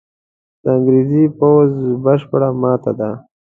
د انګرېزي پوځ بشپړه ماته ده.